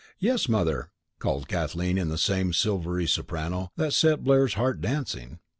"Yes, Mother," called Kathleen in the same silvery soprano that set Blair's heart dancing.